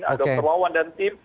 terwawan dan tim